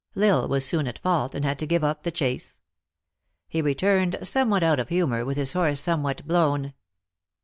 L Isle was soon at fault, and had to give up the chase. He returned somewhat out of humor, with his horse some what blown.